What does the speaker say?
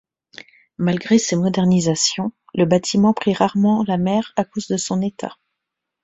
Malgré ces modernisations, le bâtiment prit rarement la mer à cause de son état.